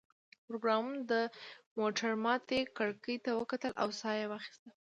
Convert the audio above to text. پروګرامر د موټر ماتې کړکۍ ته وکتل او ساه یې واخیسته